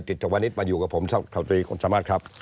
ติดฐวัณิชย์มาอยู่กับผม